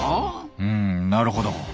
うんなるほど。